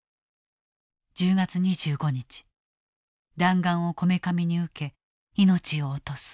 １０月２５日弾丸をこめかみに受け命を落とす。